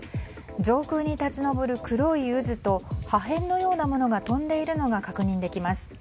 上空に立ち上る黒い渦と破片のようなものが飛んでいるのが確認できます。